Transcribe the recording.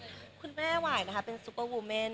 ใช่คุณแม่หวายเป็นซูเปอร์วูเมน